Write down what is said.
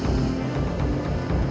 aku juga keliatan jalan sama si neng manis